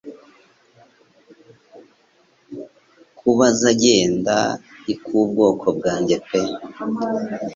Kubaza genda I kubwoko bwanjye pe